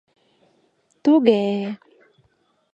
— Туге-е!